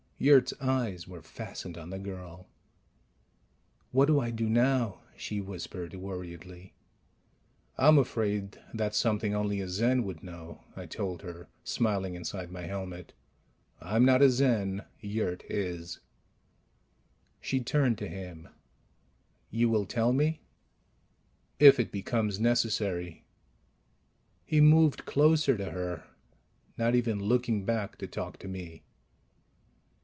Yurt's eyes were fastened on the girl. "What do I do now?" she whispered worriedly. "I'm afraid that's something only a Zen would know," I told her, smiling inside my helmet. "I'm not a Zen. Yurt is." She turned to him. "You will tell me?" "If it becomes necessary." He moved closer to her, not even looking back to talk to me.